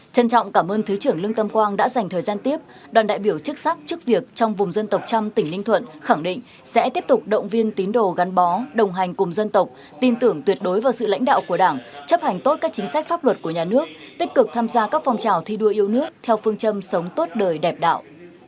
trân trọng cảm ơn thứ trưởng lương tâm quang đã dành thời gian tiếp đoàn đại biểu chức sắc chức việc trong vùng dân tộc trăm tỉnh ninh thuận khẳng định sẽ tiếp tục động viên tín đồ gắn bó đồng hành cùng dân tộc tin tưởng tuyệt đối vào sự lãnh đạo của đảng chấp hành tốt các chính sách pháp luật của nhà nước tích cực tham gia các phong trào thi đua yêu nước theo phương châm sống tốt đời đẹp đạo